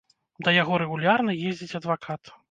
Да яго рэгулярна ездзіць адвакат.